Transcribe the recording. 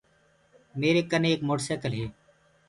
ميري ڪني ايڪ موٽر سيڪل هي۔